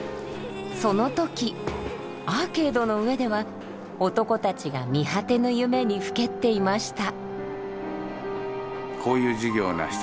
その時アーケードの上では男たちが見果てぬ夢にふけっていました。